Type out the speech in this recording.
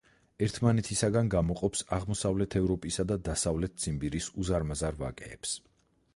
ერთმანეთისაგან გამოყოფს აღმოსავლეთ ევროპისა და დასავლეთ ციმბირის უზარმაზარ ვაკეებს.